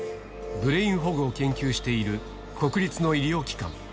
ブレインフォグを研究している国立の医療機関。